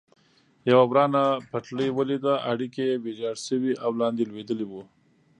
یوه ورانه پټلۍ ولیده، اړیکي یې ویجاړ شوي او لاندې لوېدلي و.